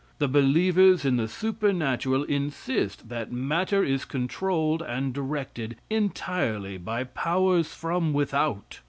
The believers in the supernatural insist that matter is controlled and directed entirely by powers from without.